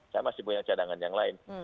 saya masih punya cadangan yang lain